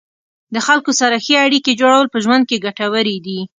د خلکو سره ښې اړیکې جوړول په ژوند کې ګټورې دي.